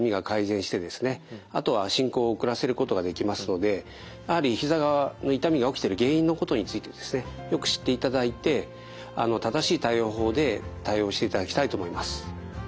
あとは進行を遅らせることができますのでやはりひざの痛みが起きている原因のことについてですねよく知っていただいて正しい対応法で対応していただきたいと思います。